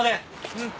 うん。